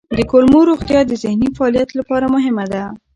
د کولمو روغتیا د ذهني فعالیت لپاره مهمه ده.